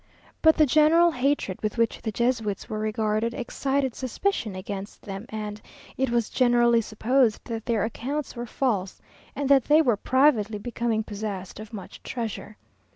But the general hatred with which the Jesuits were regarded, excited suspicion against them, and it was generally supposed that their accounts were false, and that they were privately becoming possessed of much treasure.